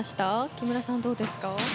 木村さん、どうですか？